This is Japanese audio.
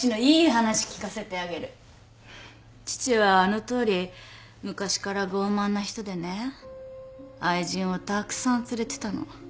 父はあのとおり昔から傲慢な人でね愛人をたくさん連れてたの。